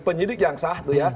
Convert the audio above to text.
penyidik yang sah